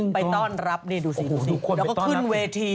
ไปต้อนรับนี่ดูสิแล้วก็ขึ้นเวที